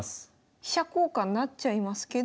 飛車交換なっちゃいますけど。